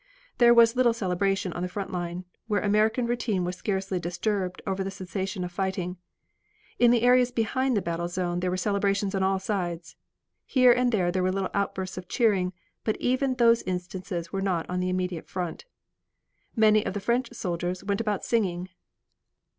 There was little celebration on the front line, where American routine was scarcely disturbed over the cessation of fighting. In the areas behind the battle zone there were celebrations on all sides. Here and there there were little outbursts of cheering, but even those instances were not on the immediate front. Many of the French soldiers went about singing.